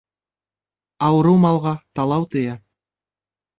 Ауырыу малға талау тейә.